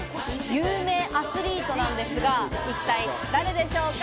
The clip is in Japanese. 有名アスリートなんですが、一体誰でしょうか？